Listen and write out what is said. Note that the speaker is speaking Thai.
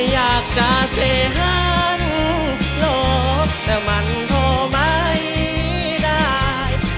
อยากจะเสฮันหลอกแต่มันโทรไม่ได้